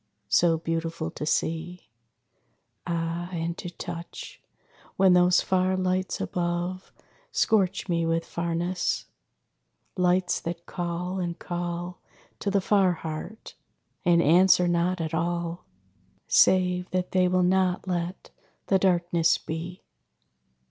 So beautiful to see, Ah, and to touch! When those far lights above Scorch me with farness lights that call and call To the far heart, and answer not at all; Save that they will not let the darkness be.